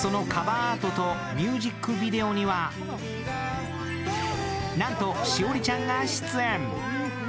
アートとミュージックビデオには、なんと、栞里ちゃんが出演。